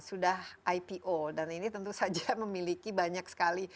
sudah ipo dan ini tentu saja memiliki banyak sekali